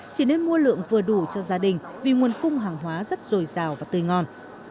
chỉ nên mua lượng vừa đủ cho gia đình vì nguồn cung hàng hóa rất dồi dào và tươi ngon